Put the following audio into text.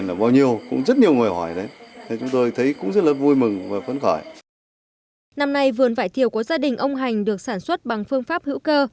năm nay vườn vải thiều của gia đình ông hành được sản xuất bằng phương pháp hữu cơ